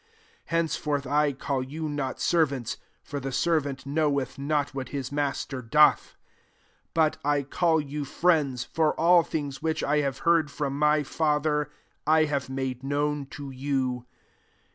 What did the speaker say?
15 Hence forth, I call you not servants ; for the servant knoweth not what his master doth: but I call you friends; for all things which I have heard from my Father, I have made known to you.